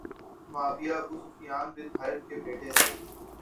معاویہ Abu Sufyan بن Harb کے بیٹے تھے